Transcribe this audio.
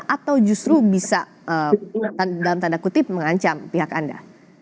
atau justru bisa dalam tanda kutip mengancam pihak anda